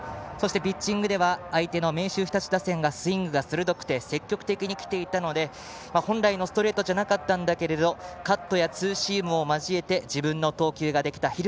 そしてピッチングでは相手の明秀日立打線がスイングが鋭くて積極的にきていたので本来のストレートじゃなかったんだけどカットやツーシームを交えて自分の投球ができた。